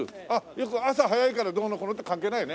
よく朝早いからどうのこうのって関係ないよね。